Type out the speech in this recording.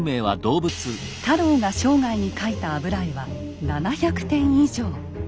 太郎が生涯に描いた油絵は７００点以上。